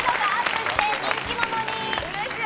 うれしい！